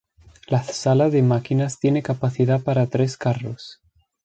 La sala de máquinas tiene capacidad para tres carros.